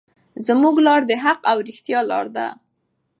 زموږ لار د حق او رښتیا لار ده.